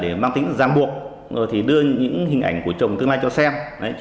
bọn chúng là tính giang buộc đưa những hình ảnh của chồng tương lai cho xem